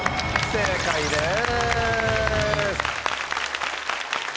正解です。